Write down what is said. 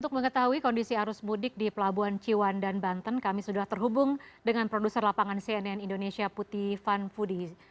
untuk mengetahui kondisi arus mudik di pelabuhan ciwan dan banten kami sudah terhubung dengan produser lapangan cnn indonesia putih van fudi